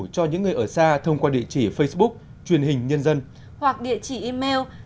con yêu và nhớ mẹ thật nhiều